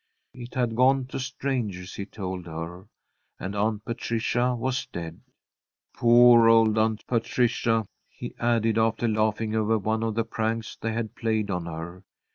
It had gone to strangers, he told her, and Aunt Patricia was dead. "Poor old Aunt Patricia," he added, after laughing over one of the pranks they had played on her.